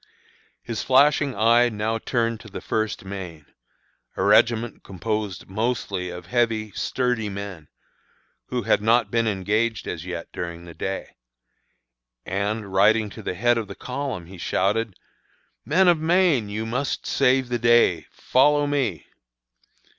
His flashing eye now turned to the First Maine, a regiment composed mostly of heavy, sturdy men, who had not been engaged as yet during the day; and, riding to the head of the column, he shouted, "Men of Maine, you must save the day! Follow me!"